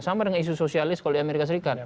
sama dengan isu sosialis kalau di amerika serikat